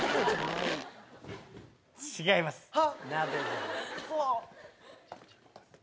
違います。